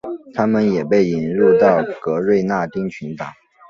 它们也被引入到格瑞纳丁群岛。